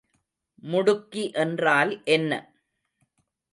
முடுக்கி என்றால் என்ன?